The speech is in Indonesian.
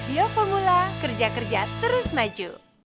yo formula kerja kerja terus maju